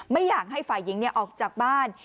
ไม่อยากให้ฝ่ายหญิงออกจากบ้าน